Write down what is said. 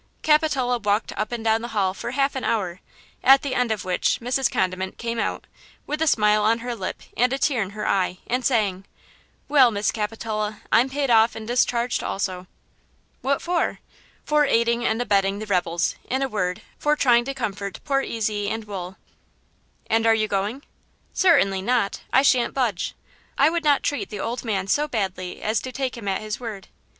Capitola walked up and down the hall for half an hour, at the end of which Mrs. Condiment came out "with a smile on her lip and a tear in her eye," and saying: "Well, Miss Capitola, I'm paid off and discharged also." "What for?" "For aiding and abetting the rebels; in a word, for trying to comfort poor Ezy and Wool." "And are you going?" "Certainly not; I shan't budge; I would not treat the old man so badly as to take him at his word."